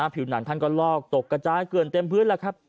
ผิวหนังท่านก็ลอกตกกระจายเกลือนเต็มพื้นแล้วครับ